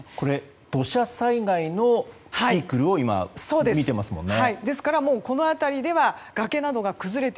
土砂災害のピークを見ていますもんね。